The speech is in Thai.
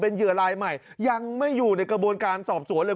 เหยื่อลายใหม่ยังไม่อยู่ในกระบวนการสอบสวนเลย